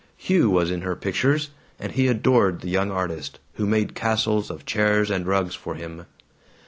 Hugh was in her pictures, and he adored the young artist, who made castles of chairs and rugs for him.